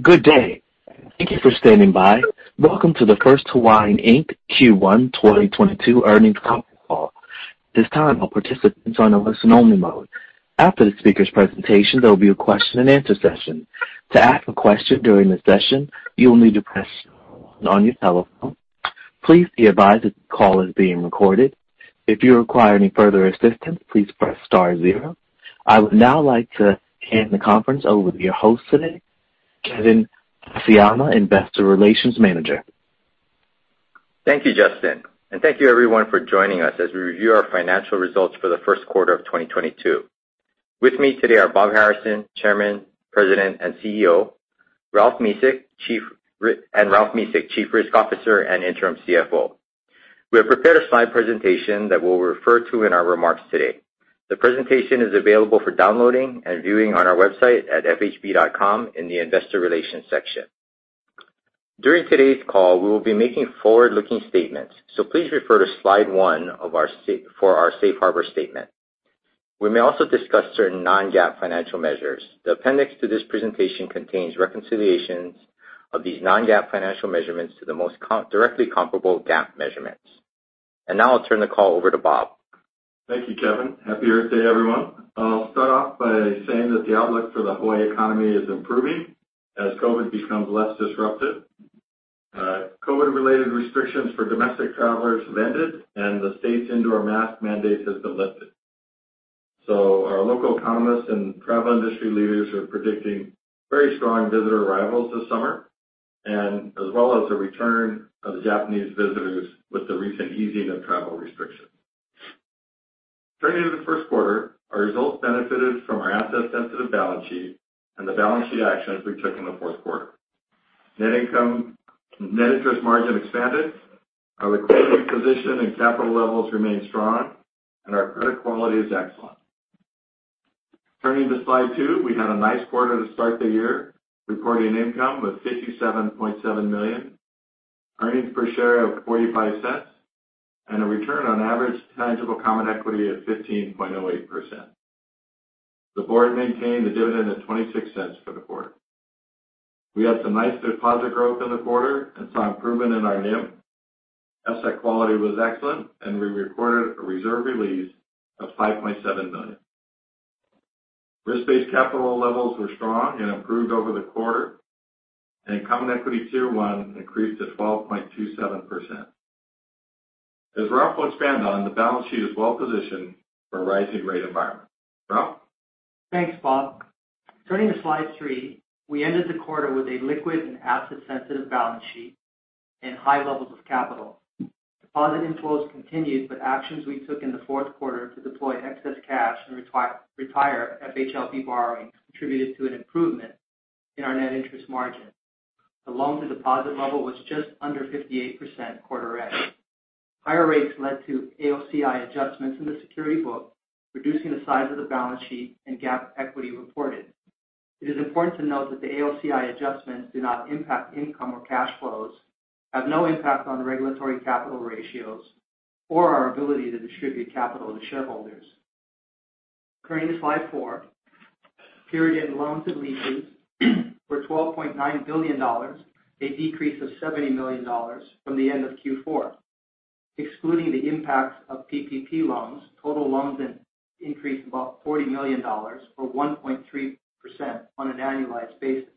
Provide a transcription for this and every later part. Good day. Thank you for standing by. Welcome to the First Hawaiian, Inc. Q1 2022 earnings conference call. This time all participants are on a listen-only mode. After the speaker's presentation, there'll be a question-and-answer session. To ask a question during the session, you will need to press star one on your telephone. Please be advised that this call is being recorded. If you require any further assistance, please press star zero. I would now like to hand the conference over to your host today, Kevin Haseyama, Investor Relations Manager. Thank you, Justin, and thank you everyone for joining us as we review our financial results for the first quarter of 2022. With me today are Bob Harrison, Chairman, President, and CEO, Ralph Mesick, Chief Risk Officer and Interim CFO. We have prepared a slide presentation that we'll refer to in our remarks today. The presentation is available for downloading and viewing on our website at fhb.com in the investor relations section. During today's call, we will be making forward-looking statements, so please refer to slide one for our safe harbor statement. We may also discuss certain non-GAAP financial measures. The appendix to this presentation contains reconciliations of these non-GAAP financial measurements to the most directly comparable GAAP measurements. Now I'll turn the call over to Bob. Thank you, Kevin. Happy Earth Day, everyone. I'll start off by saying that the outlook for the Hawaii economy is improving as COVID becomes less disruptive. COVID-related restrictions for domestic travelers have ended, and the state's indoor mask mandate has been lifted. Our local economists and travel industry leaders are predicting very strong visitor arrivals this summer and as well as the return of Japanese visitors with the recent easing of travel restrictions. Turning to the first quarter, our results benefited from our asset-sensitive balance sheet and the balance sheet actions we took in the fourth quarter. Net interest margin expanded. Our liquidity position and capital levels remain strong, and our credit quality is excellent. Turning to slide two, we had a nice quarter to start the year, reporting income of $57.7 million, earnings per share of $0.45, and a return on average tangible common equity of 15.08%. The board maintained the dividend at $0.26 for the quarter. We had some nice deposit growth in the quarter and saw improvement in our NIM. Asset quality was excellent, and we recorded a reserve release of $5.7 million. Risk-based capital levels were strong and improved over the quarter, and common equity tier one increased to 12.27%. As Ralph will expand on, the balance sheet is well positioned for a rising rate environment. Ralph. Thanks, Bob. Turning to slide three, we ended the quarter with a liquid and asset-sensitive balance sheet and high levels of capital. Deposit inflows continued, but actions we took in the fourth quarter to deploy excess cash and retire FHLB borrowings contributed to an improvement in our net interest margin. The loan-to-deposit level was just under 58% quarter end. Higher rates led to AOCI adjustments in the security book, reducing the size of the balance sheet and GAAP equity reported. It is important to note that the AOCI adjustments do not impact income or cash flows, have no impact on regulatory capital ratios or our ability to distribute capital to shareholders. Turning to slide four. Period-end loans and leases were $12.9 billion, a decrease of $70 million from the end of Q4. Excluding the impact of PPP loans, total loans increased about $40 million or 1.3% on an annualized basis.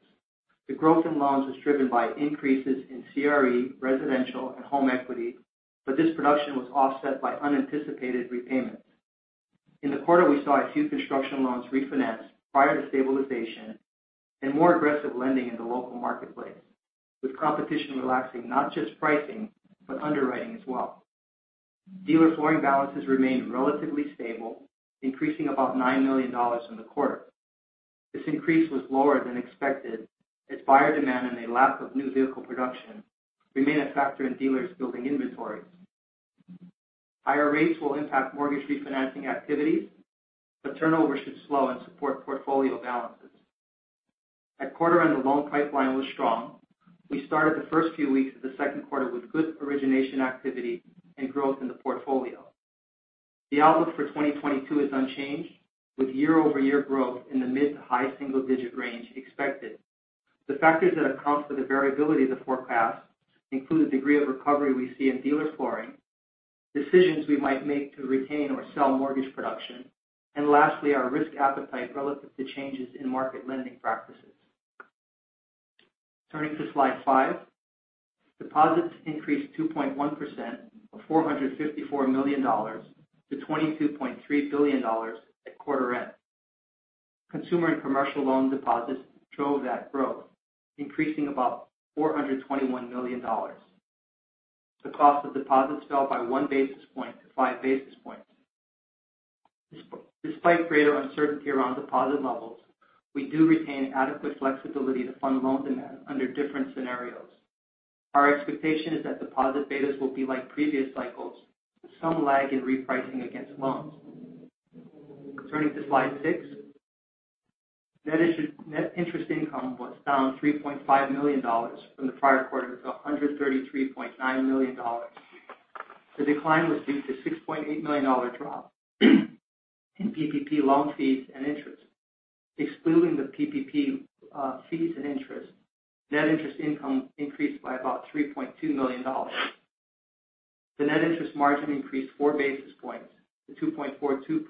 The growth in loans was driven by increases in CRE, residential, and home equity, but this production was offset by unanticipated repayments. In the quarter, we saw a few construction loans refinance prior to stabilization and more aggressive lending in the local marketplace, with competition relaxing not just pricing, but underwriting as well. Dealer flooring balances remained relatively stable, increasing about $9 million in the quarter. This increase was lower than expected as buyer demand and a lack of new vehicle production remain a factor in dealers building inventories. Higher rates will impact mortgage refinancing activities, but turnover should slow and support portfolio balances. At quarter-end, the loan pipeline was strong. We started the first few weeks of the second quarter with good origination activity and growth in the portfolio. The outlook for 2022 is unchanged, with year-over-year growth in the mid- to high-single-digit range expected. The factors that account for the variability of the forecast include the degree of recovery we see in dealer flooring, decisions we might make to retain or sell mortgage production, and lastly, our risk appetite relative to changes in market lending practices. Turning to slide five. Deposits increased 2.1% or $454 million-$22.3 billion at quarter end. Consumer and commercial loan deposits drove that growth, increasing about $421 million. The cost of deposits fell by 1 basis point-5 basis points. Despite greater uncertainty around deposit levels, we do retain adequate flexibility to fund loan demand under different scenarios. Our expectation is that deposit betas will be like previous cycles, with some lag in repricing against loans. Turning to slide six. Net interest income was down $3.5 million from the prior quarter to $133.9 million. The decline was due to $6.8 million drop in PPP loan fees and interest. Excluding the PPP, fees and interest, net interest income increased by about $3.2 million. The net interest margin increased 4 basis points to 2.42%.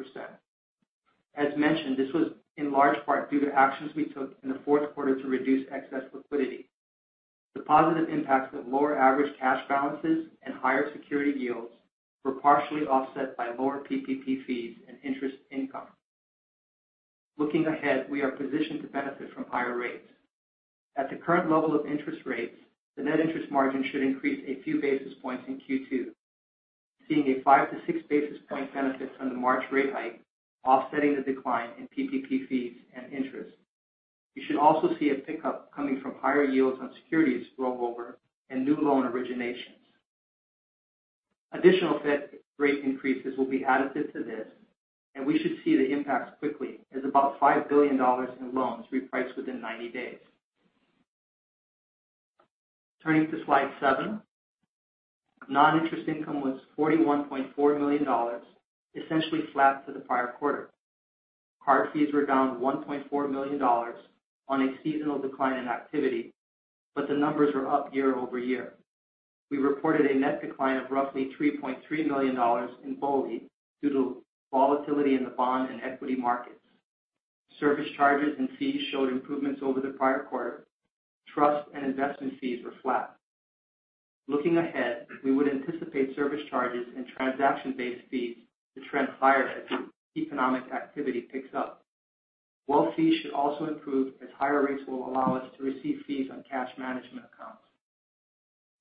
As mentioned, this was in large part due to actions we took in the fourth quarter to reduce excess liquidity. The positive impacts of lower average cash balances and higher security yields were partially offset by lower PPP fees and interest income. Looking ahead, we are positioned to benefit from higher rates. At the current level of interest rates, the net interest margin should increase a few basis points in Q2, seeing a 5 basis points-6 basis point benefit from the March rate hike, offsetting the decline in PPP fees and interest. You should also see a pickup coming from higher yields on securities rollover and new loan originations. Additional Fed rate increases will be additive to this, and we should see the impacts quickly as about $5 billion in loans reprice within 90 days. Turning to slide seven. Non-interest income was $41.4 million, essentially flat to the prior quarter. Card fees were down $1.4 million on a seasonal decline in activity, but the numbers are up year-over-year. We reported a net decline of roughly $3.3 million in BOLI due to volatility in the bond and equity markets. Service charges and fees showed improvements over the prior quarter. Trust and investment fees were flat. Looking ahead, we would anticipate service charges and transaction-based fees to trend higher as economic activity picks up. Wealth fees should also improve as higher rates will allow us to receive fees on cash management accounts.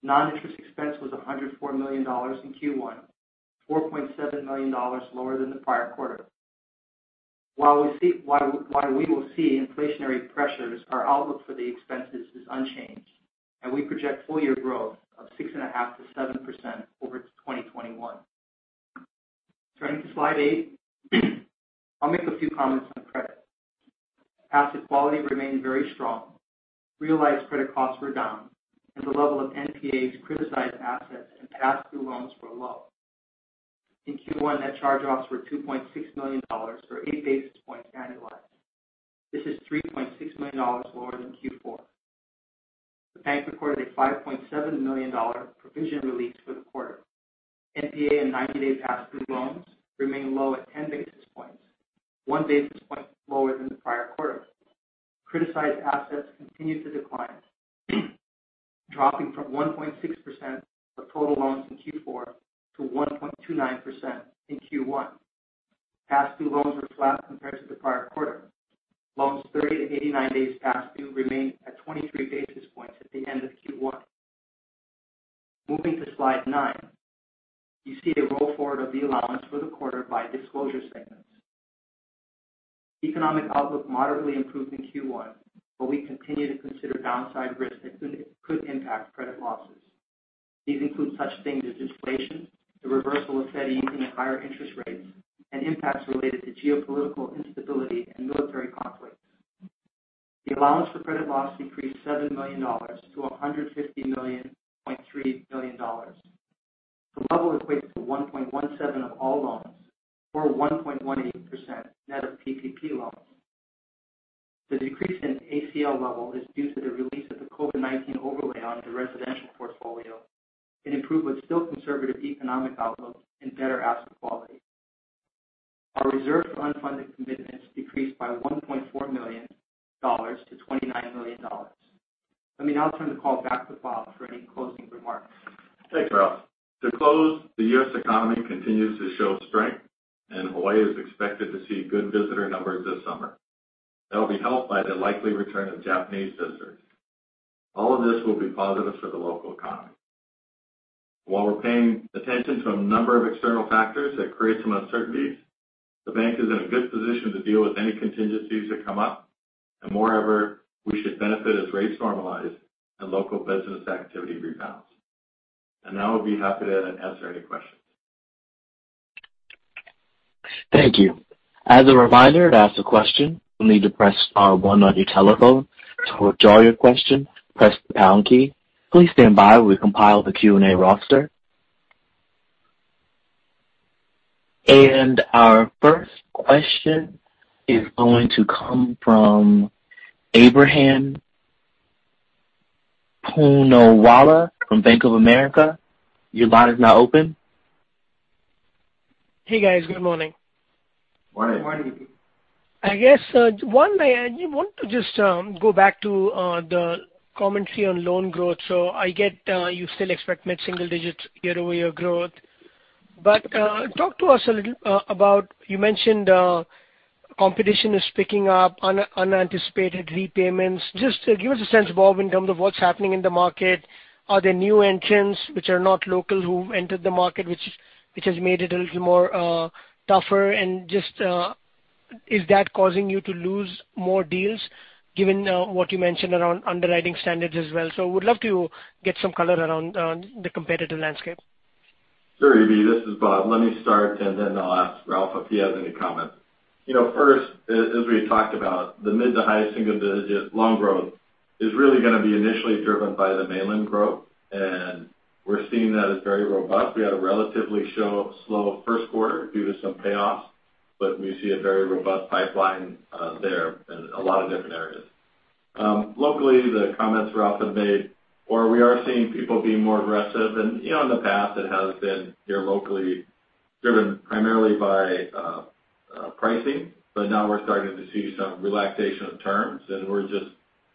Non-interest expense was $104 million in Q1, $4.7 million lower than the prior quarter. While we will see inflationary pressures, our outlook for the expenses is unchanged, and we project full-year growth of 6.5%-7% over 2021. Turning to slide eight. I'll make a few comments on credit. Asset quality remained very strong. Realized credit costs were down, and the level of NPAs, criticized assets, and past due loans were low. In Q1, net charge-offs were $2.6 million or 8 basis points annualized. This is $3.6 million lower than Q4. The bank recorded a $5.7 million provision release for the quarter. NPA and 90-day past due loans remain low at 10 basis points, 1 basis point lower than the prior quarter. Criticized assets continued to decline, dropping from 1.6% of total loans in Q4 to 1.29% in Q1. Past due loans were flat compared to the prior quarter. Loans 30-89 days past due remained at 23 basis points at the end of Q1. Moving to slide nine. You see a roll forward of the allowance for the quarter by disclosure segments. Economic outlook moderately improved in Q1, but we continue to consider downside risks that could impact credit losses. These include such things as inflation, the reversal of Fed easing and higher interest rates, and impacts related to geopolitical instability and military conflicts. The allowance for credit loss decreased $7 million-$150.3 million. The level equates to 1.17 of all loans or 1.18% net of PPP loans. The decrease in ACL level is due to the release of the COVID-19 overlay on the residential portfolio and improved, but still conservative economic outlook and better asset quality. Our reserve for unfunded commitments decreased by $1.4 million to $29 million. Let me now turn the call back to Bob for any closing remarks. Thanks, Ralph. To close, the U.S. economy continues to show strength, and Hawaii is expected to see good visitor numbers this summer. That'll be helped by the likely return of Japanese visitors. All of this will be positive for the local economy. While we're paying attention to a number of external factors that create some uncertainties, the bank is in a good position to deal with any contingencies that come up. Moreover, we should benefit as rates normalize and local business activity rebounds. Now I'll be happy to answer any questions. Thank you. As a reminder, to ask a question, you'll need to press star one on your telephone. To withdraw your question, press the pound key. Please stand by while we compile the Q&A roster. Our first question is going to come from Ebrahim Poonawala from Bank of America. Your line is now open. Hey, guys. Good morning. Morning. Morning. I guess you want to just go back to the commentary on loan growth. I get you still expect mid-single digits year-over-year growth. Talk to us a little. You mentioned competition is picking up, unanticipated repayments. Just give us a sense, Bob, in terms of what's happening in the market. Are there new entrants which are not local who've entered the market which has made it a little more tougher? Just is that causing you to lose more deals given what you mentioned around underwriting standards as well? Would love to get some color around the competitive landscape? Sure, Ebrahim. This is Bob. Let me start, and then I'll ask Ralph if he has any comments. You know, first, as we talked about, the mid to high single digit loan growth is really gonna be initially driven by the mainland growth. We're seeing that as very robust. We had a relatively slow first quarter due to some payoffs, but we see a very robust pipeline there in a lot of different areas. Locally, the comments Ralph had made, or we are seeing people being more aggressive. You know, in the past, it has been here locally driven primarily by pricing, but now we're starting to see some relaxation of terms, and we're just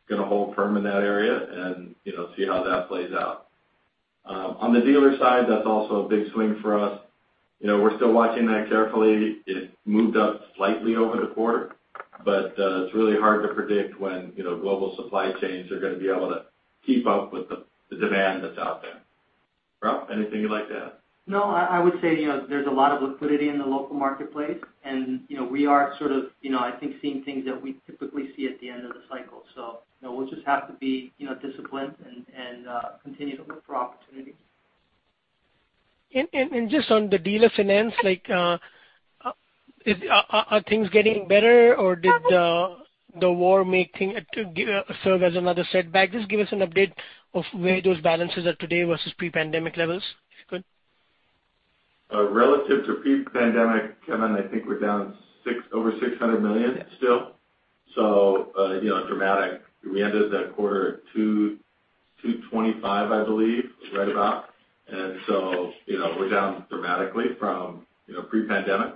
gonna hold firm in that area and see how that plays out. On the dealer side, that's also a big swing for us. You know, we're still watching that carefully. It moved up slightly over the quarter, but it's really hard to predict when, you know, global supply chains are gonna be able to keep up with the demand that's out there. Ralph, anything you'd like to add? No, I would say, you know, there's a lot of liquidity in the local marketplace. You know, we are sort of, you know, I think seeing things that we typically see at the end of the cycle. You know, we'll just have to be, you know, disciplined and continue to look for opportunities. Just on the dealer finance, like, are things getting better or did the war making serve as another setback? Just give us an update of where those balances are today versus pre-pandemic levels if you could? Relative to pre-pandemic, Kevin, I think we're down over $600 million still. You know, dramatic. We ended that quarter at $225 million, I believe, right about. You know, we're down dramatically from pre-pandemic.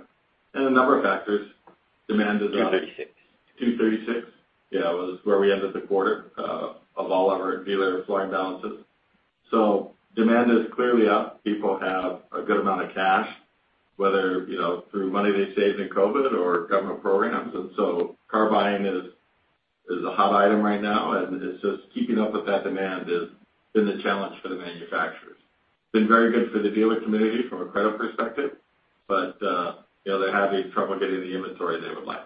A number of factors. Demand is up- 236. 236, yeah, was where we ended the quarter of all of our dealer floor balances. Demand is clearly up. People have a good amount of cash, whether, you know, through money they saved in COVID or government programs. Car buying is a hot item right now. It's just keeping up with that demand has been the challenge for the manufacturers. It's been very good for the dealer community from a credit perspective, but, you know, they're having trouble getting the inventory they would like.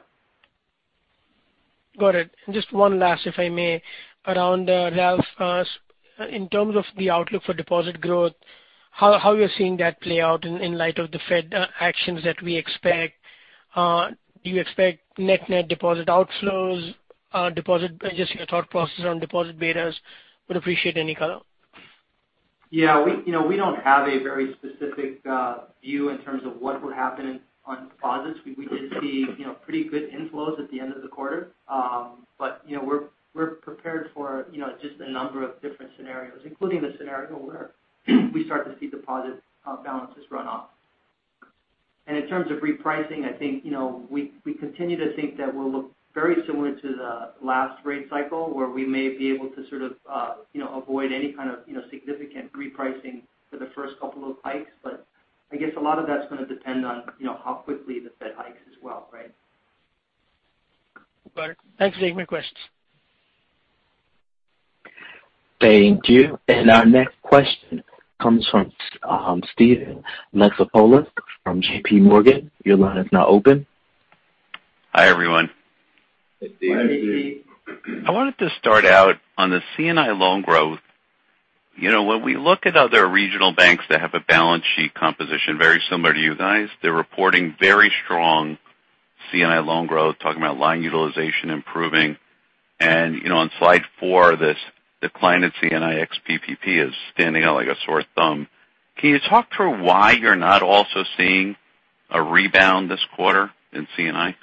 Got it. Just one last, if I may, around Ralph. In terms of the outlook for deposit growth, how are you seeing that play out in light of the Fed actions that we expect? Do you expect net deposit outflows? Just your thought process on deposit betas. Would appreciate any color. Yeah, you know, we don't have a very specific view in terms of what would happen on deposits. We did see, you know, pretty good inflows at the end of the quarter. You know, we're prepared for, you know, just a number of different scenarios, including the scenario where we start to see deposit balances run off. In terms of repricing, I think, you know, we continue to think that we'll look very similar to the last rate cycle, where we may be able to sort of, you know, avoid any kind of, you know, significant repricing for the first couple of hikes. I guess a lot of that's gonna depend on, you know, how quickly the Fed hikes as well, right? Got it. Thanks for taking my questions. Thank you. Our next question comes from Steven Alexopoulos from JPMorgan. Your line is now open. Hi, everyone. Hey, Steve. Hi, Steve. I wanted to start out on the C&I loan growth. You know, when we look at other regional banks that have a balance sheet composition very similar to you guys, they're reporting very strong C&I loan growth, talking about line utilization improving. You know, on slide four, this decline in C&I ex-PPP is standing out like a sore thumb. Can you talk through why you're not also seeing a rebound this quarter in C&I?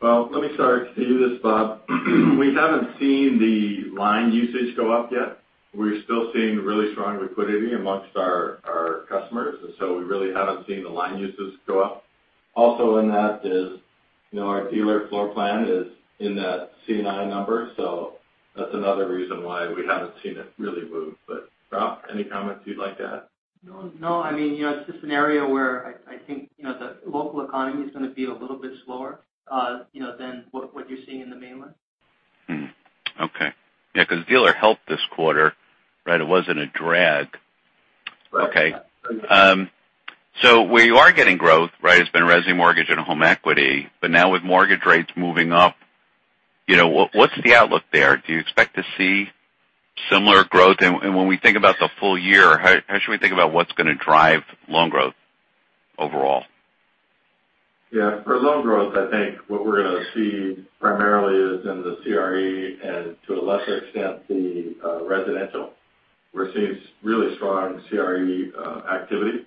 Well, let me start. Steve this is Bob. We haven't seen the line usage go up yet. We're still seeing really strong liquidity amongst our customers, and so we really haven't seen the line usage go up. Also in that is, you know, our dealer floor plan is in that C&I number. So that's another reason why we haven't seen it really move. Ralph, any comments you'd like to add? No, no. I mean, you know, it's just an area where I think, you know, the local economy is gonna be a little bit slower, you know, than what you're seeing in the mainland. Okay. Yeah, 'cause dealer helped this quarter, right? It wasn't a drag. Right. Okay. Where you are getting growth, right, has been resi mortgage and home equity. Now with mortgage rates moving up, you know, what's the outlook there? Do you expect to see similar growth? When we think about the full year, how should we think about what's gonna drive loan growth overall? Yeah. For loan growth, I think what we're gonna see primarily is in the CRE and to a lesser extent the residential. We're seeing really strong CRE activity.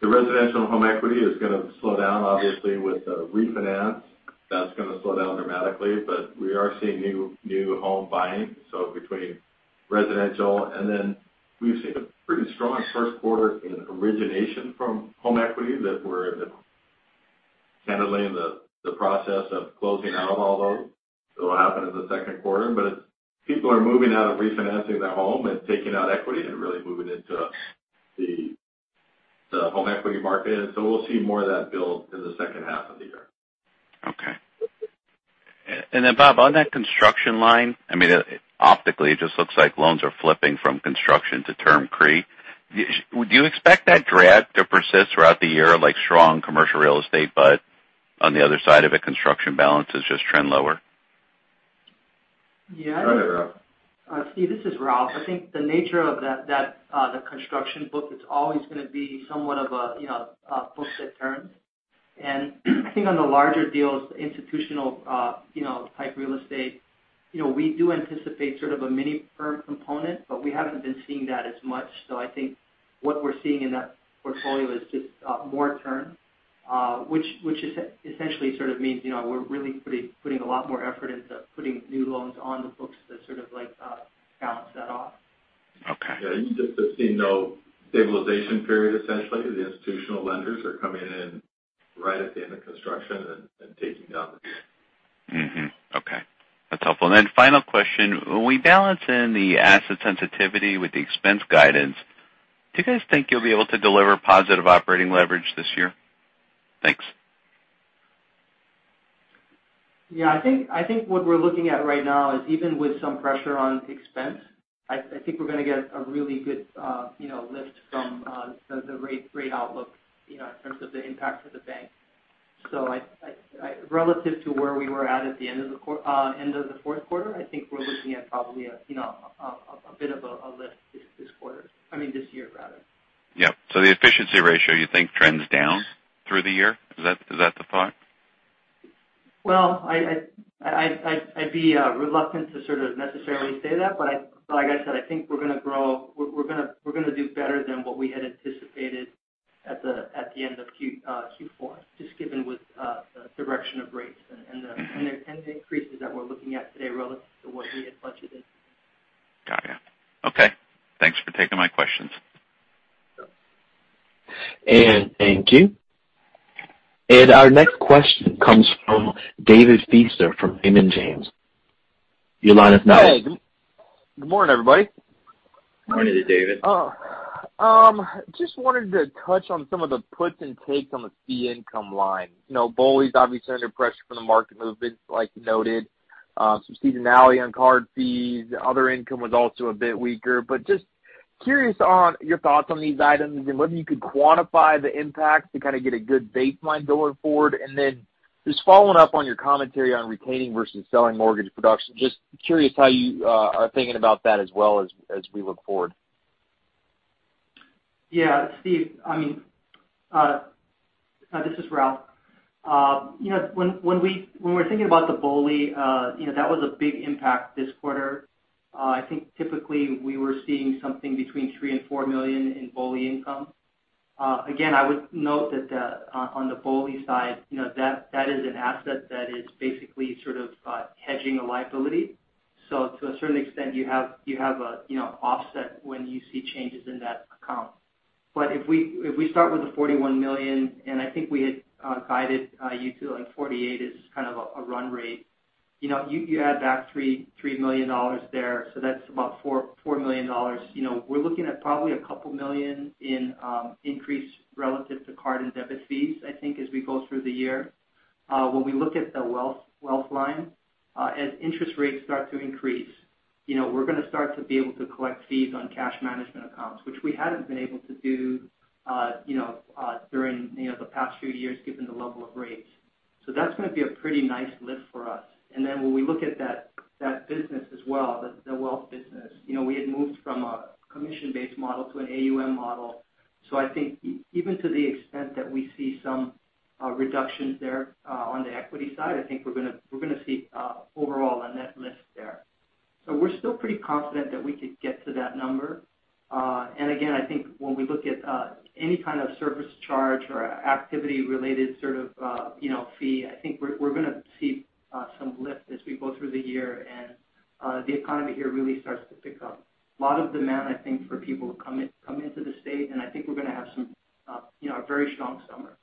The residential home equity is gonna slow down, obviously, with the refinance. That's gonna slow down dramatically. We are seeing new home buying, so between residential and then we've seen a pretty strong first quarter in origination from home equity that we're kind of laying the process of closing out all those. It'll happen in the second quarter. It's people are moving out of refinancing their home and taking out equity and really moving into the home equity market. We'll see more of that build in the second half of the year. Okay. Bob, on that construction line, I mean, optically, it just looks like loans are flipping from construction to term CRE. Do you expect that drag to persist throughout the year, like strong commercial real estate, but on the other side of it, construction balances just trend lower? Yeah. Go ahead, Ralph. Steve, this is Ralph. I think the nature of that the construction book, it's always gonna be somewhat of a, you know, a book set term. I think on the larger deals, institutional, you know, type real estate, you know, we do anticipate sort of a mini-perm component, but we haven't been seeing that as much. I think what we're seeing in that portfolio is just more term, which is essentially sort of means, you know, we're really putting a lot more effort into putting new loans on the books to sort of like balance that off. Okay. Yeah, you just have seen no stabilization period, essentially. The institutional lenders are coming in right at the end of construction and taking down the Mm-hmm. Okay. That's helpful. Final question. When we balance in the asset sensitivity with the expense guidance, do you guys think you'll be able to deliver positive operating leverage this year? Thanks. Yeah, I think what we're looking at right now is even with some pressure on expense, I think we're gonna get a really good, you know, lift from the rate outlook, you know, in terms of the impact to the bank. Relative to where we were at the end of the fourth quarter, I think we're looking at probably a, you know, a bit of a lift this quarter. I mean, this year rather. Yeah. The efficiency ratio, you think trends down through the year? Is that the thought? Well, I'd be reluctant to sort of necessarily say that, but like I said, I think we're gonna grow. We're gonna do better than what we had anticipated at the end of Q4, just given the direction of rates and the increases that we're looking at today relative to what we had budgeted. Got it. Okay. Thanks for taking my questions. Thank you. Our next question comes from David Feaster from Raymond James. Your line is now open. Hey. Good morning, everybody. morning to you, David. Just wanted to touch on some of the puts and takes on the fee income line. You know, BOLI's obviously under pressure from the market movements like you noted. Some seasonality on card fees. Other income was also a bit weaker. Just curious on your thoughts on these items and whether you could quantify the impacts to kind of get a good baseline going forward. Just following up on your commentary on retaining versus selling mortgage production. Just curious how you are thinking about that as well as we look forward. Yeah. Steve, I mean, this is Ralph. You know, when we're thinking about the BOLI, you know, that was a big impact this quarter. I think typically we were seeing something between $3 million and $4 million in BOLI income. Again, I would note that, on the BOLI side, you know, that is an asset that is basically sort of hedging a liability. So to a certain extent, you have a, you know, offset when you see changes in that account. But if we start with the $41 million, and I think we had guided you to, like, $48 million is kind of a run rate. You know, you add back $3 million there, so that's about $4 million. You know, we're looking at probably $2 million in increase relative to card and debit fees, I think, as we go through the year. When we look at the wealth line, as interest rates start to increase, you know, we're gonna start to be able to collect fees on cash management accounts, which we hadn't been able to do, you know, during the past few years given the level of rates. That's gonna be a pretty nice lift for us. Then when we look at that business as well, the wealth business, you know, we had moved from a commission-based model to an AUM model. I think even to the extent that we see some reductions there on the equity side, I think we're gonna see overall a net lift there. We're still pretty confident that we could get to that number. And again, I think when we look at any kind of service charge or activity related sort of, you know, fee, I think we're gonna see some lift as we go through the year and the economy here really starts to pick up. A lot of demand, I think, for people to come in, come into the state, and I think we're gonna have some, you know, a very strong summer.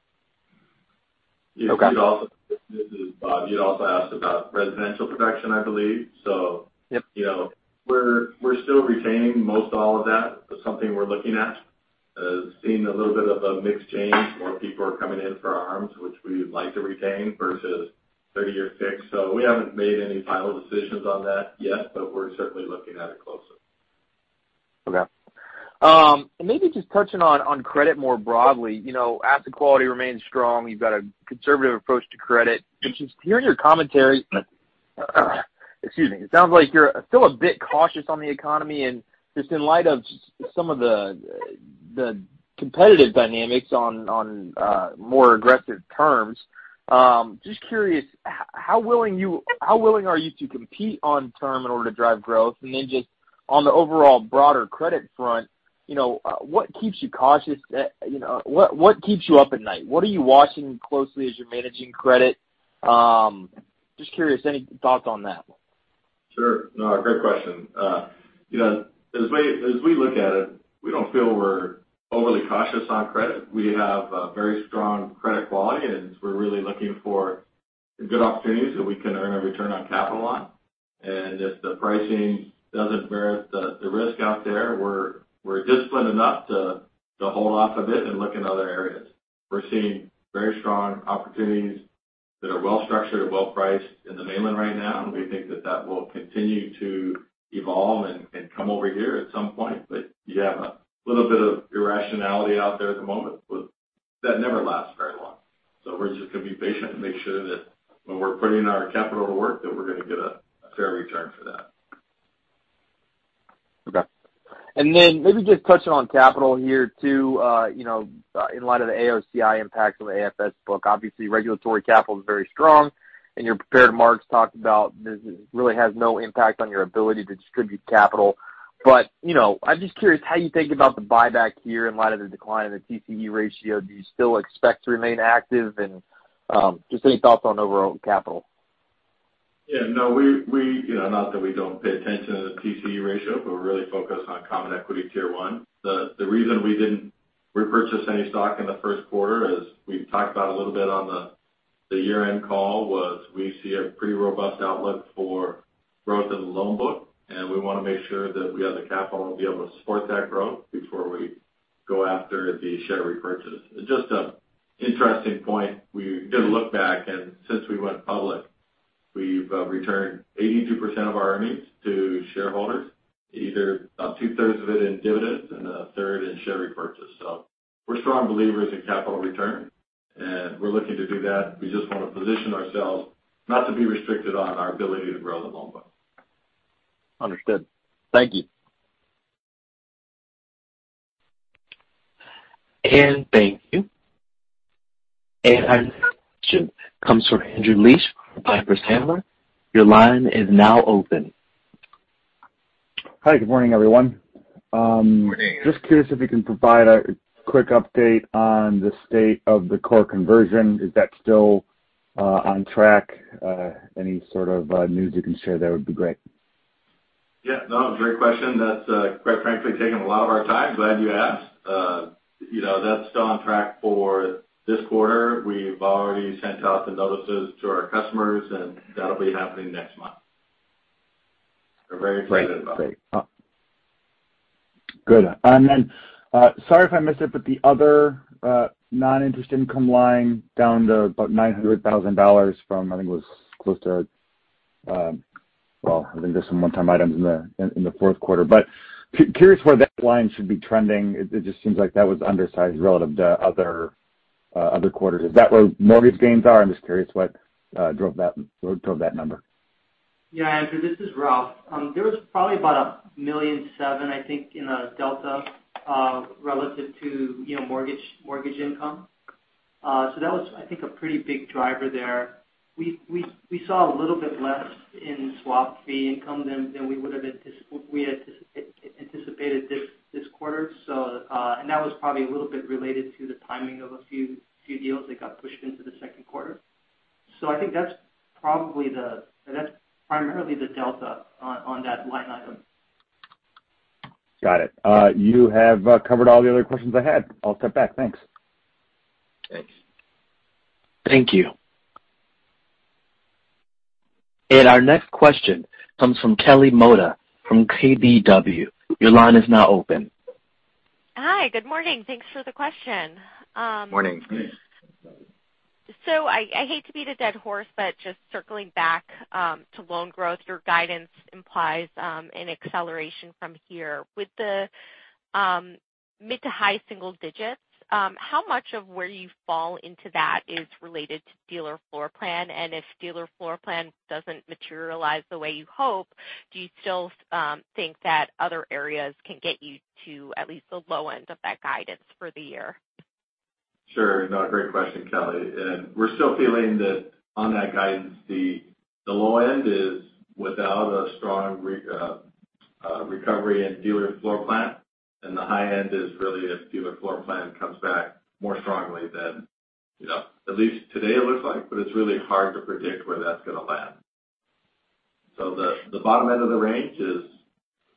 Okay. This is Bob. You also asked about residential production, I believe. Yep. You know, we're still retaining most all of that. It's something we're looking at. Seeing a little bit of a mixed change, more people are coming in for our arms, which we would like to retain versus 30-year fixed. We haven't made any final decisions on that yet, but we're certainly looking at it closely. Okay. Maybe just touching on credit more broadly. You know, asset quality remains strong. You've got a conservative approach to credit, which is hearing your commentary. Excuse me. It sounds like you're still a bit cautious on the economy and just in light of some of the competitive dynamics on more aggressive terms. Just curious, how willing are you to compete on term in order to drive growth? Just on the overall broader credit front, you know, what keeps you cautious? You know, what keeps you up at night? What are you watching closely as you're managing credit? Just curious. Any thoughts on that? Sure. No, great question. You know, as we look at it, we don't feel we're overly cautious on credit. We have a very strong credit quality, and we're really looking for good opportunities that we can earn a return on capital on. If the pricing doesn't bear the risk out there, we're disciplined enough to hold off a bit and look in other areas. We're seeing very strong opportunities that are well structured and well-priced in the mainland right now, and we think that that will continue to evolve and come over here at some point. You have a little bit of irrationality out there at the moment, but that never lasts very long. We're just going to be patient and make sure that when we're putting our capital to work, that we're going to get a fair return for that. Okay. Then maybe just touching on capital here too, you know, in light of the AOCI impact on the AFS book, obviously regulatory capital is very strong and your prepared marks talked about this really has no impact on your ability to distribute capital. You know, I'm just curious how you think about the buyback here in light of the decline in the TCE ratio. Do you still expect to remain active? Just any thoughts on overall capital. Yeah, no, we, you know, not that we don't pay attention to the TCE ratio, but we're really focused on common equity tier one. The reason we didn't repurchase any stock in the first quarter, as we talked about a little bit on the year-end call, was we see a pretty robust outlook for growth in the loan book, and we want to make sure that we have the capital to be able to support that growth before we go after the share repurchase. Just an interesting point, we did a look back and since we went public, we've returned 82% of our earnings to shareholders, either about 2/3 of it in dividends and a third in share repurchase. We're strong believers in capital return, and we're looking to do that. We just want to position ourselves not to be restricted on our ability to grow the loan book. Understood. Thank you. Thank you. Our next question comes from Andrew Liesch from Piper Sandler. Your line is now open. Hi, good morning, everyone. Good morning. Just curious if you can provide a quick update on the state of the core conversion. Is that still on track? Any sort of news you can share there would be great. Yeah, no, great question. That's, quite frankly, taking a lot of our time. Glad you asked. You know, that's still on track for this quarter. We've already sent out the notices to our customers, and that'll be happening next month. We're very excited about it. Great. Good. Then, sorry if I missed it, but the other non-interest income line down to about $900,000 from, I think it was close to, well, I think there's some one-time items in the fourth quarter. Curious where that line should be trending. It just seems like that was undersized relative to other quarters. Is that where mortgage gains are? I'm just curious what drove that number? Yeah. Andrew, this is Ralph. There was probably about $1.7 million, I think, in a delta relative to, you know, mortgage income. That was, I think, a pretty big driver there. We saw a little bit less in swap fee income than we would have anticipated this quarter. That was probably a little bit related to the timing of a few deals that got pushed into the second quarter. I think that's probably primarily the delta on that line item. Got it. You have covered all the other questions I had. I'll step back. Thanks. Thanks. Thank you. Our next question comes from Kelly Motta from KBW. Your line is now open. Hi. Good morning. Thanks for the question. Morning. I hate to beat a dead horse, but just circling back to loan growth, your guidance implies an acceleration from here. With the mid to high single digits, how much of where you fall into that is related to dealer floor plan? And if dealer floor plan doesn't materialize the way you hope, do you still think that other areas can get you to at least the low end of that guidance for the year? Sure. No, great question, Kelly. We're still feeling that on that guidance. The low end is without a strong recovery in dealer floor plan. The high end is really if dealer floor plan comes back more strongly than you know, at least today it looks like. It's really hard to predict where that's going to land. The bottom end of the range is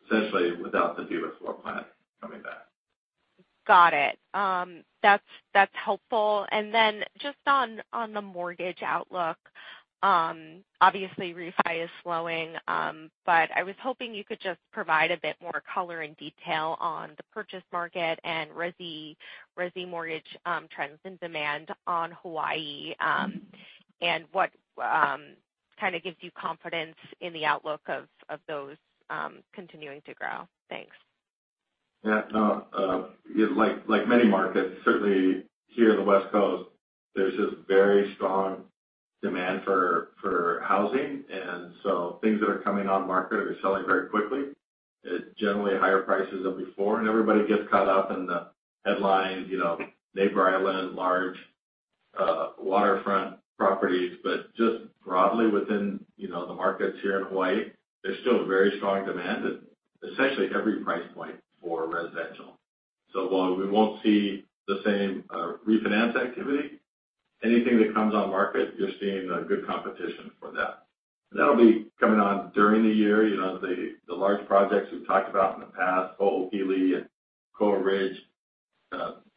essentially without the dealer floor plan coming back. Got it. That's helpful. Then just on the mortgage outlook, obviously refi is slowing, but I was hoping you could just provide a bit more color and detail on the purchase market and resi mortgage, trends and demand on Hawaii, and what kind of gives you confidence in the outlook of those continuing to grow? Thanks. Yeah, no, like many markets, certainly here on the West Coast, there's just very strong demand for housing. Things that are coming on market are selling very quickly at generally higher prices than before. Everybody gets caught up in the headlines, you know, neighbor island, large, waterfront properties. Just broadly within, you know, the markets here in Hawaii, there's still very strong demand at essentially every price point for residential. While we won't see the same, refinance activity, anything that comes on market, you're seeing a good competition for that. That'll be coming on during the year. You know, the large projects we've talked about in the past, Ho'opili and Koa Ridge,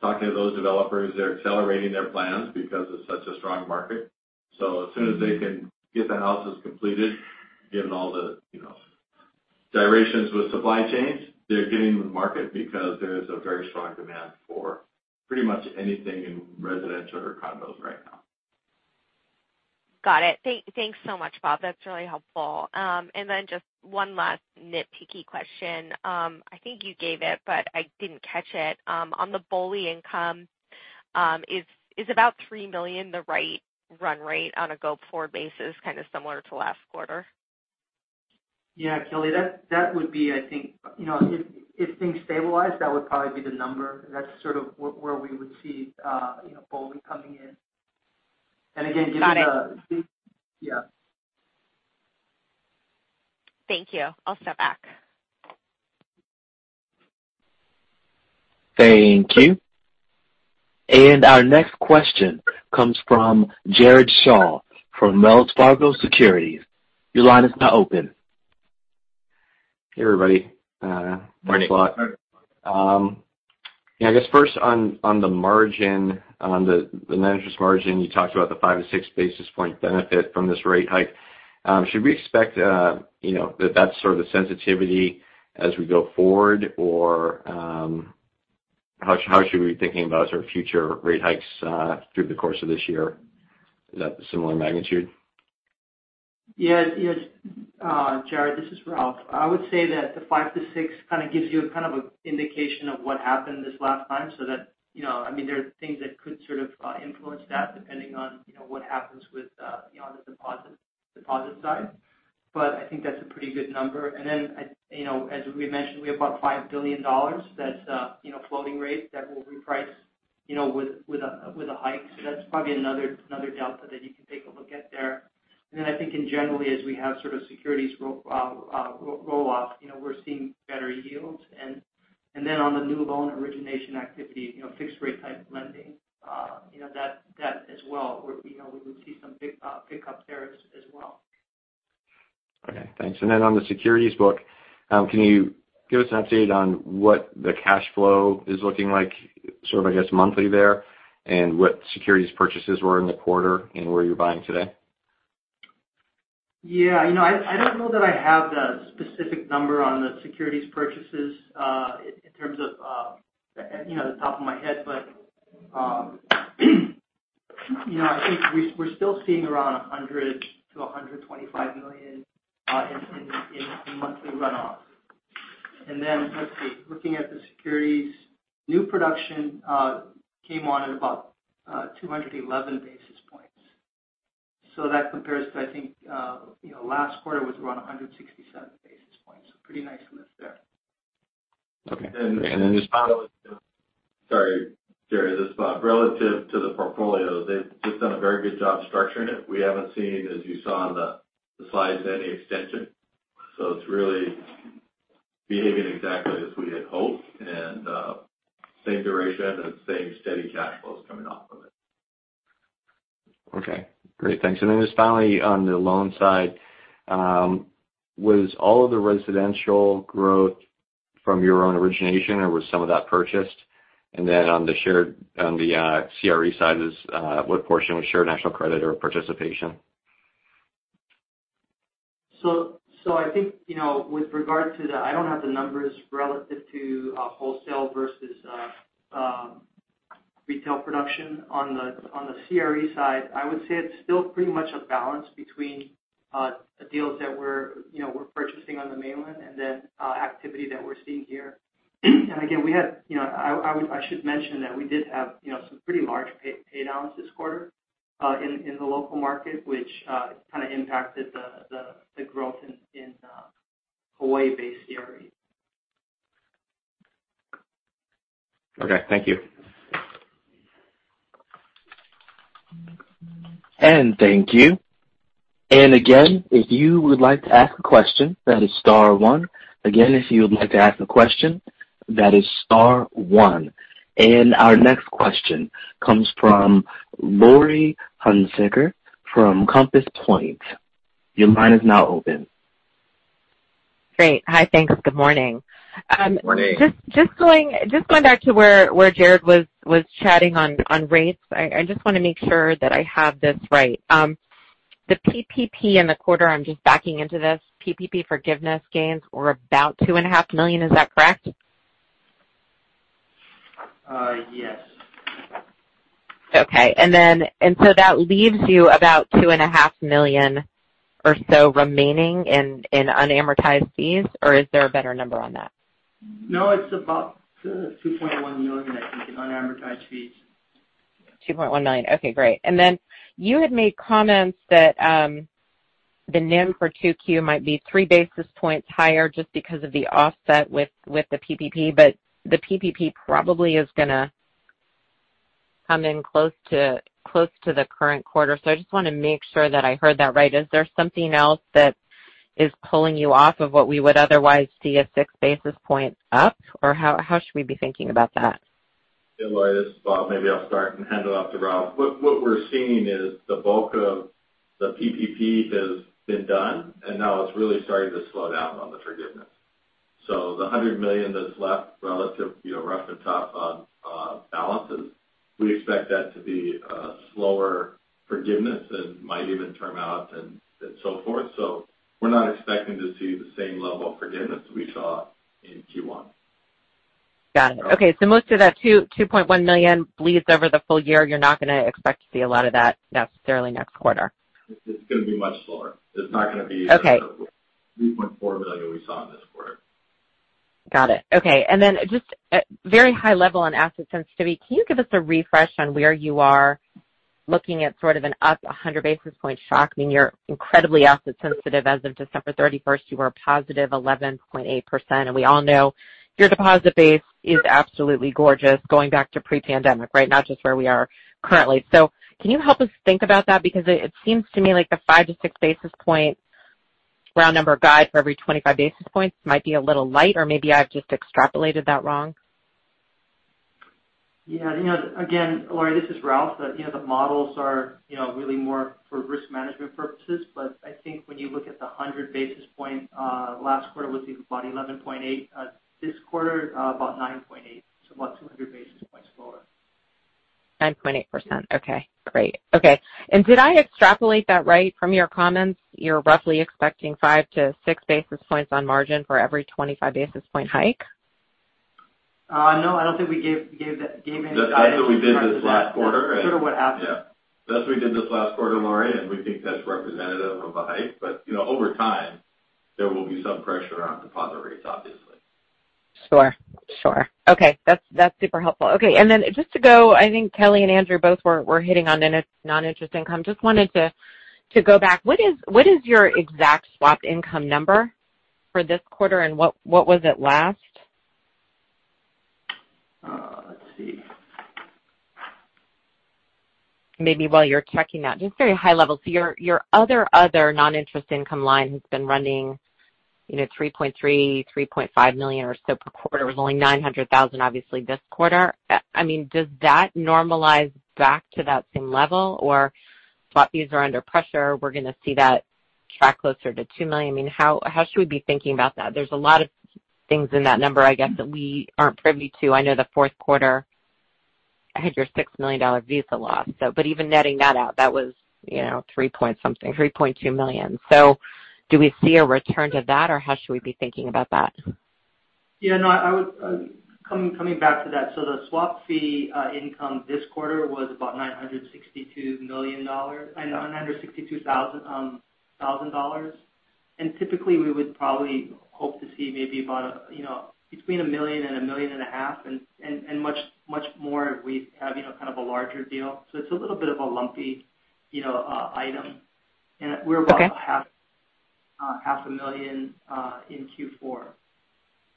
talking to those developers, they're accelerating their plans because it's such a strong market. as soon as they can get the houses completed, given all the, you know, durations with supply chains, they're getting them to market because there is a very strong demand for pretty much anything in residential or condos right now. Got it. Thanks so much, Bob. That's really helpful. Just one last nitpicky question. I think you gave it, but I didn't catch it. On the BOLI income, is about $3 million the right run rate on a go-forward basis, kind of similar to last quarter? Yeah, Kelly, that would be I think. You know, if things stabilize, that would probably be the number. That's sort of where we would see, you know, BOLI coming in. Again, just, Got it. Yeah. Thank you. I'll step back. Thank you. Our next question comes from Jared Shaw from Wells Fargo Securities. Your line is now open. Hey, everybody. Morning. Thanks a lot. Yeah, I guess first on the net interest margin, you talked about the 5 basis points-6 basis point benefit from this rate hike. Should we expect, you know, that that's sort of the sensitivity as we go forward? Or, how should we be thinking about sort of future rate hikes through the course of this year? Is that the similar magnitude? Yes, yes. Jared, this is Ralph. I would say that the 5-6 kind of gives you kind of an indication of what happened this last time so that. You know, I mean, there are things that could sort of influence that depending on, you know, what happens with, you know, on the deposit side. I think that's a pretty good number. Then, you know, as we mentioned, we have about $5 billion that's, you know, floating rate that will reprice, you know, with a hike. So that's probably another delta that you can take a look at there. I think in general, as we have sort of securities rolloff, you know, we're seeing better yields. On the new loan origination activity, you know, fixed rate type lending, you know, that as well, we would see some pick up there as well. Okay, thanks. On the securities book, can you give us an update on what the cash flow is looking like, sort of, I guess, monthly there, and what securities purchases were in the quarter and where you're buying today? Yeah, you know, I don't know that I have the specific number on the securities purchases, in terms of, you know, the top of my head. You know, I think we're still seeing around $100 million-$125 million in monthly runoff. Then let's see, looking at the securities, new production came on at about 211 basis points. That compares to, I think, you know, last quarter was around 167 basis points. Pretty nice lift there. Okay. Sorry, Jared, this is Bob. Relative to the portfolio, they've just done a very good job structuring it. We haven't seen, as you saw on the slides, any extension. It's really behaving exactly as we had hoped and same duration and same steady cash flows coming off of it. Okay, great. Thanks. Just finally on the loan side, was all of the residential growth from your own origination, or was some of that purchased? On the CRE sides, what portion was shared national credit or participation? I think, you know, with regard to, I don't have the numbers relative to wholesale versus retail production on the CRE side. I would say it's still pretty much a balance between the deals that we're purchasing on the mainland and then activity that we're seeing here. Again, we had, you know, I should mention that we did have, you know, some pretty large pay downs this quarter in the local market, which kind of impacted the growth in Hawaii-based CRE. Okay, thank you. Thank you. Again, if you would like to ask a question, that is star one. Our next question comes from Laurie Hunsicker from Compass Point. Your line is now open. Great. Hi. Thanks. Good morning. Morning. Just going back to where Jared was chatting on rates. I just wanna make sure that I have this right. The PPP in the quarter, I'm just backing into this, PPP forgiveness gains were about $2.5 million. Is that correct? Yes. Okay. That leaves you about $2.5 million or so remaining in unamortized fees, or is there a better number on that? No, it's about $2.1 million, I think, in unamortized fees. $2.1 million. Okay, great. Then you had made comments that the NIM for 2Q might be 3 basis points higher just because of the offset with the PPP. The PPP probably is gonna come in close to the current quarter. I just wanna make sure that I heard that right. Is there something else that is pulling you off of what we would otherwise see a 6 basis point up? Or how should we be thinking about that? Yeah, Lori, this is Bob. Maybe I'll start and hand it off to Ralph. What we're seeing is the bulk of the PPP has been done, and now it's really starting to slow down on the forgiveness. The $100 million that's left relatively, you know, roughly on balances, we expect that to be a slower forgiveness and might even turn, and so forth. We're not expecting to see the same level of forgiveness we saw in Q1. Got it. Okay. Most of that $2.1 million bleeds over the full year. You're not gonna expect to see a lot of that necessarily next quarter. It's gonna be much slower. Okay. It's not gonna be the $3.4 million we saw in this quarter. Got it. Okay. Just at very high level on asset sensitivity, can you give us a refresh on where you are looking at sort of an up 100 basis point shock? I mean, you're incredibly asset sensitive as of December 31st. You were a positive 11.8%, and we all know your deposit base is absolutely gorgeous going back to pre-pandemic, right? Not just where we are currently. Can you help us think about that? Because it seems to me like the 5 basis points-6 basis point round number guide for every 25 basis points might be a little light or maybe I've just extrapolated that wrong. Yeah. You know, again, Laurie, this is Ralph. You know, the models are, you know, really more for risk management purposes. I think when you look at the 100 basis point, last quarter was about 11.8. This quarter, about 9.8, so about 200 basis points lower. 9.8%. Okay, great. Okay. Did I extrapolate that right from your comments? You're roughly expecting 5 basis points-6 basis points on margin for every 25 basis point hike. No, I don't think we gave any guidance. That's what we did this last quarter. Sure would happen. Yeah. That's what we did this last quarter, Laurie, and we think that's representative of the hike. You know, over time, there will be some pressure on deposit rates, obviously. Sure. Okay. That's super helpful. Okay. Just to go, I think Kelly and Andrew both were hitting on non-interest income. Just wanted to go back. What is your exact swap income number for this quarter, and what was it last? Let's see. Maybe while you're checking that, just very high level. Your other non-interest income line has been running, you know, $3.3 million-$3.5 million or so per quarter. It was only $900,000 obviously this quarter. I mean, does that normalize back to that same level or swap fees are under pressure, we're gonna see that track closer to $2 million? I mean, how should we be thinking about that? There's a lot of things in that number I guess that we aren't privy to. I know the fourth quarter had your $6 million Visa loss. Even netting that out, that was, you know, three-point something, $3.2 million. Do we see a return to that, or how should we be thinking about that? Yeah, no, coming back to that. The swap fee income this quarter was about $962,000. Typically we would probably hope to see maybe about, you know, between $1 million and $1.5 million and much more if we have, you know, kind of a larger deal. It's a little bit of a lumpy, you know, item. Okay. We're about half a million in Q4.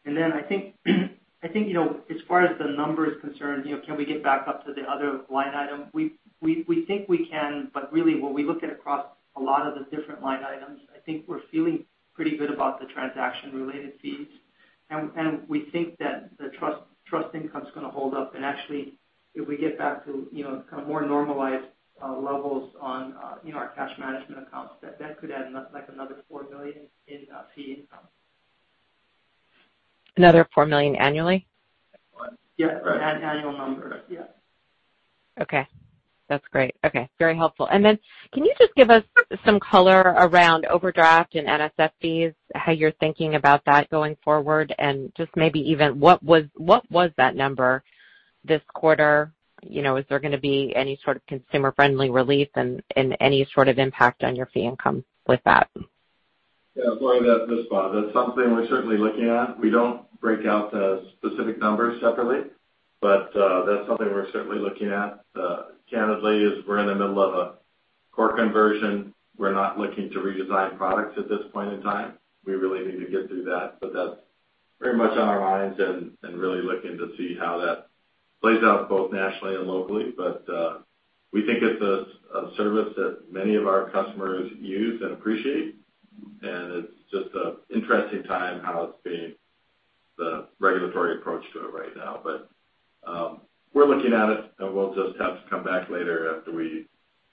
I think you know as far as the number is concerned you know can we get back up to the other line item? We think we can, but really what we look at across a lot of the different line items, I think we're feeling pretty good about the transaction-related fees. We think that the trust income is gonna hold up. Actually, if we get back to you know kind of more normalized levels on you know our cash management accounts, that could add like another $4 million in fee income. Another $4 million annually? Yeah. An annual number. Yeah. Okay. That's great. Okay. Very helpful. Can you just give us some color around overdraft and NSF fees, how you're thinking about that going forward? Just maybe even what was that number this quarter? You know, is there gonna be any sort of consumer-friendly relief and any sort of impact on your fee income with that? Yeah. Laurie, this is Bob. That's something we're certainly looking at. We don't break out the specific numbers separately, but that's something we're certainly looking at. Candidly, as we're in the middle of a core conversion, we're not looking to redesign products at this point in time. We really need to get through that. That's very much on our minds and really looking to see how that plays out both nationally and locally. We think it's a service that many of our customers use and appreciate, and it's just an interesting time with the regulatory approach to it right now. We're looking at it, and we'll just have to come back later after we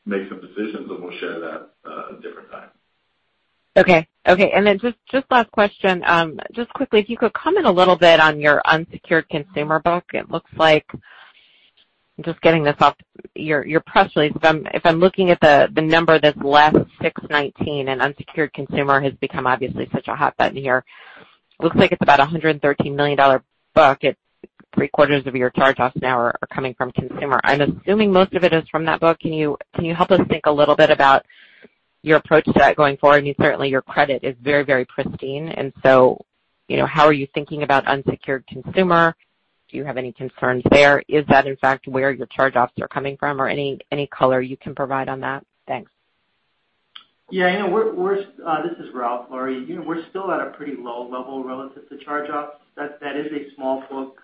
make some decisions, and we'll share that a different time. Okay. Just last question, just quickly, if you could comment a little bit on your unsecured consumer book. It looks like, just getting this off your press release, if I'm looking at the number that's left 619 and unsecured consumer has become obviously such a hot button here. Looks like it's about $113 million bucket. Three-quarters of your charge-offs now are coming from consumer. I'm assuming most of it is from that book. Can you help us think a little bit about your approach to that going forward? I mean, certainly your credit is very, very pristine. You know, how are you thinking about unsecured consumer? Do you have any concerns there? Is that in fact where your charge-offs are coming from or any color you can provide on that? Thanks. Yeah, you know, this is Ralph, Laurie. You know, we're still at a pretty low level relative to charge-offs. That is a small book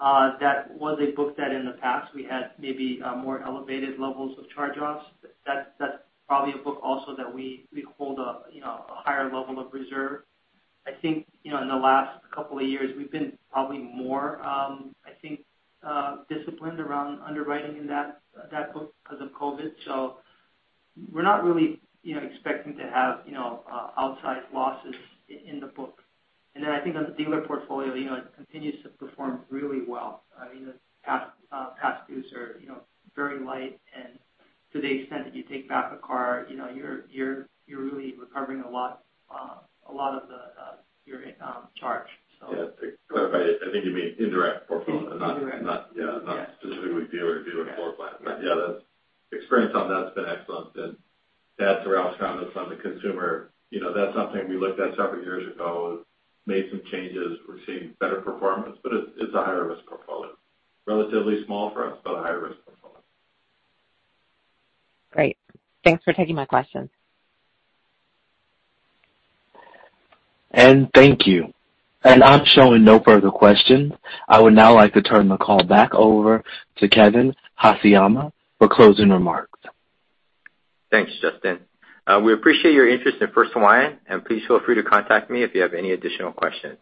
that was a book that in the past we had maybe a more elevated levels of charge-offs. That's probably a book also that we hold you know a higher level of reserve. I think you know in the last couple of years we've been probably more I think disciplined around underwriting in that book because of COVID. We're not really you know expecting to have you know outsized losses in the book. I think on the dealer portfolio you know it continues to perform really well. I mean the past dues are you know very light. To the extent that you take back a car, you know, you're really recovering a lot of the your charge, so. Yeah. To clarify, I think you mean indirect portfolio. Indirect. Not specifically dealer to dealer floor plan. Yeah, the experience on that's been excellent. To add to Ralph's comments on the consumer, you know, that's something we looked at several years ago, made some changes. We're seeing better performance, but it's a higher risk portfolio. Relatively small for us, but a higher risk portfolio. Great. Thanks for taking my questions. Thank you. I'm showing no further questions. I would now like to turn the call back over to Kevin Haseyama for closing remarks. Thanks, Justin. We appreciate your interest in First Hawaiian, and please feel free to contact me if you have any additional questions.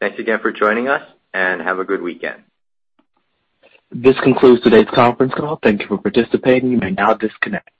Thanks again for joining us, and have a good weekend. This concludes today's conference call. Thank you for participating. You may now disconnect.